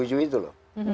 yang tujuh itu loh